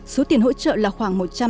số tiền hỗ trợ là khoảng